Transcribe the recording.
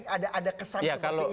ada kesan seperti itu